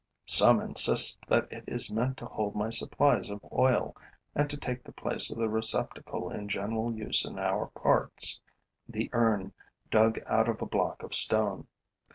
Some insist that it is meant to hold my supplies of oil and to take the place of the receptacle in general use in our parts, the urn dug out of a block of stone.